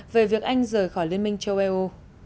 về việc anh rời khỏi liên minh châu âu